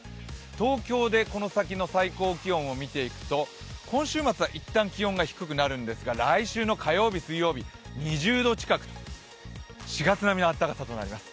東京でこの先の最高気温を見ていくと、今週末は、いったん気温が低くなるんですが来週の火曜日、水曜日、２０度近く、４月並みの暖かさになります。